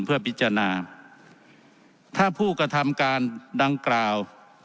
เพื่อพิจารณาถ้าผู้กระทำการดังกล่าว